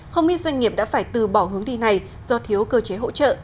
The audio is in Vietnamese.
không ít doanh nghiệp đã phải từ bỏ hướng đi này do thiếu cơ chế hỗ trợ